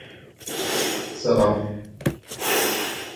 Many businesses closed their doors and also diminished the lights.